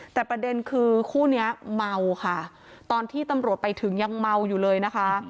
แต่ประเด็นคือคู่นี้เมาค่ะตอนที่ตำรวจไปถึงยังเมาอยู่เลยนะคะ